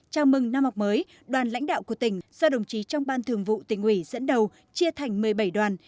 chào mừng năm học mới đoàn lãnh đạo của tỉnh do đồng chí trong ban thường vụ tỉnh ủy dẫn đầu chia thành một mươi bảy đoàn